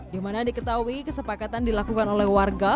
di mana diketahui kesepakatan dilakukan oleh warga